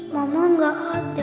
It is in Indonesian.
mama gak ada